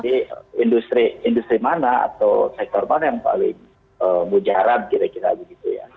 jadi industri mana atau sektor mana yang paling mujarab kira kira gitu ya